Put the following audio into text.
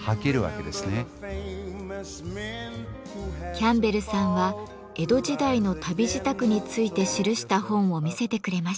キャンベルさんは江戸時代の旅仕度について記した本を見せてくれました。